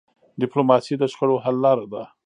ډيپلوماسي د شخړو حل لاره ده.